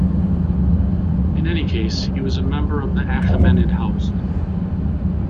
In any case, he was a member of the Achaemenid House.